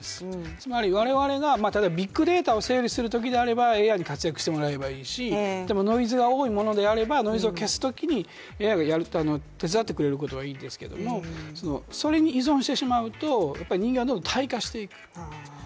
つまり我々がビッグデータを整理するときにはＡＩに活躍してもらえばいいし、ノイズが多いのであれば、ノイズを消すときにＡＩが手伝ってくれるのはいいですけれども、それに依存してしまうと人間はどんどん退化していく。